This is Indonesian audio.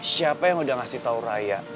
siapa yang udah ngasih tau raya